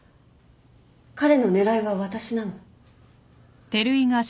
彼の狙いは私なの。